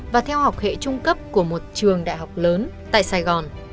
và theo học hệ trung cấp của một trường đại học lớn tại sài gòn